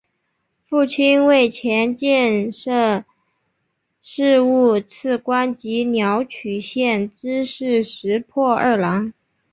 父亲为前建设事务次官及鸟取县知事石破二朗。